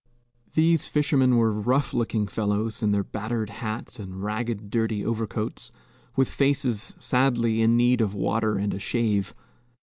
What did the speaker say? These fishermen were rough looking fellows in their battered hats and ragged, dirty overcoats, with faces sadly in need of water and a shave.